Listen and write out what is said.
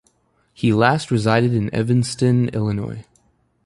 He last resided in Evanston, Illinois.